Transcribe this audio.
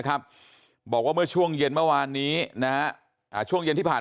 บอกว่าเมื่อช่วงเย็นเมื่อวานนี้นะฮะช่วงเย็นที่ผ่าน